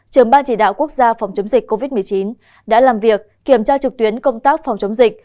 trường ban chỉ đạo quốc gia phòng chống dịch covid một mươi chín đã làm việc kiểm tra trực tuyến công tác phòng chống dịch